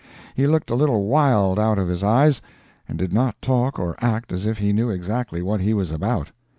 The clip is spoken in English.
He looked a little wild out of his eyes, and did not talk or act as if he knew exactly what he was about.